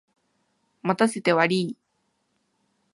待たせてわりい。